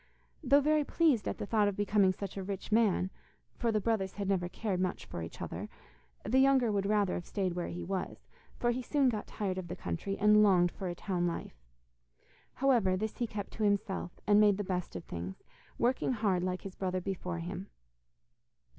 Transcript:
Though very pleased at the thought of becoming such a rich man for the brothers had never cared much for each other the younger would rather have stayed where he was, for he soon got tired of the country, and longed for a town life. However, this he kept to himself, and made the best of things, working hard like his brother before him.